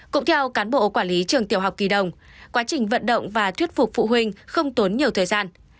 cũng theo cán bộ quản lý trường tiểu học kỳ đồng quá trình vận động và thuyết phục phụ huynh không tốn nhiều thời gian